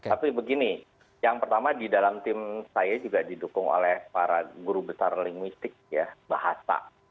tapi begini yang pertama di dalam tim saya juga didukung oleh para guru besar lingmistik ya bahasa